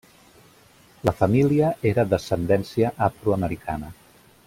La família era d'ascendència afroamericana.